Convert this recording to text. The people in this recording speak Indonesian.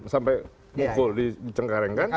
sampai mukul di cengkareng kan